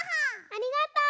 ありがとう！